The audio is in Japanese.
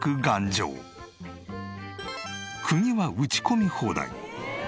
クギは打ち込み放題。